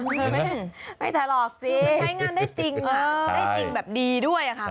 เห็นไหมไม่ถลอกสิใช้งานได้จริงนะได้จริงแบบดีด้วยอะค่ะคุณ